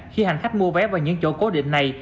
khi hành khách mua vé vào những chỗ cố định này